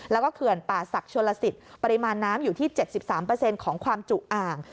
แล้วก็เขื่อนป่าศักดิ์ชนลสิทธิ์ปริมาณน้ำอยู่ที่๗๓ของความจุอ่าง